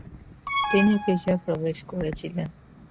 তিনি পেশায় প্রবেশ করেছিলেন।